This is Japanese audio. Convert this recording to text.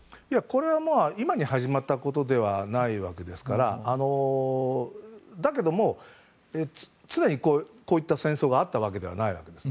これは、今に始まったことではないですからだけども、常にこういった戦争があったわけではないわけです。